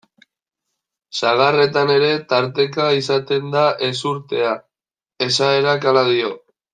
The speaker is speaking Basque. Sagarretan ere tarteka izaten da ezurtea, esaerak hala dio.